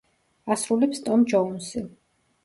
ასრულებს ტომ ჯოუნსი.